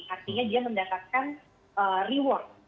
artinya dia mendatangkan reward